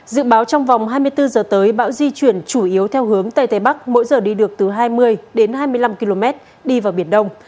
dự báo trong vòng hai mươi bốn giờ tới bão di chuyển chủ yếu theo hướng tây tây bắc mỗi giờ đi được từ hai mươi đến hai mươi năm km đi vào biển đông